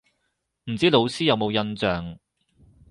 唔知老師有冇印象